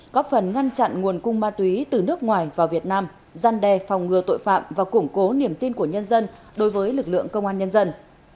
góp phần ngăn chặn nguồn cung ma túy từ nước ngoài vào việt nam gian đe phòng ngừa tội phạm và củng cố niềm tin của nhân dân đối với lực lượng công an nhân dân